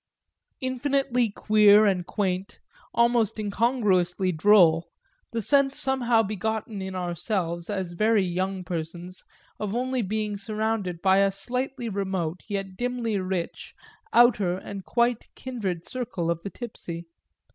Infinitely queer and quaint, almost incongruously droll, the sense somehow begotten in ourselves, as very young persons, of our being surrounded by a slightly remote, yet dimly rich, outer and quite kindred circle of the tipsy.